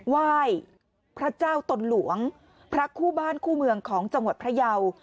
ไหว้พระเจ้าตนหลวงพระคู่บ้านคู่เมืองของจังหวัดพระเยา